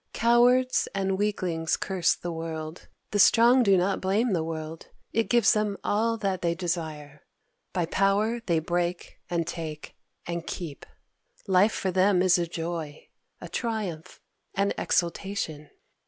Cowards and weaklings curse the world. The strong do not blame the world: it gives them all that they desire. By power they break and take and keep. Life for them is a joy, a triumph, an exultation.